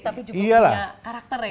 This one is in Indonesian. tapi juga punya karakter ya